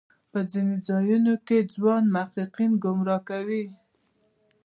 په ځینو ځایونو کې ځوان محققین ګمراه کوي.